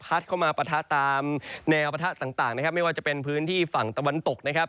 เข้ามาปะทะตามแนวปะทะต่างนะครับไม่ว่าจะเป็นพื้นที่ฝั่งตะวันตกนะครับ